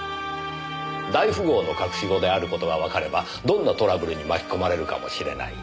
大富豪の隠し子である事がわかればどんなトラブルに巻き込まれるかもしれない。